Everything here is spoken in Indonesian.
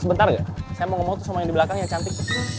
sebentar saya mau ngomong sama yang di belakang yang cantik